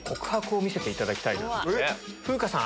風花さん